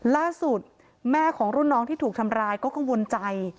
ล่าสุดแม่ของรุ่นน้องที่ถูกทำร้ายก็กังวลใจ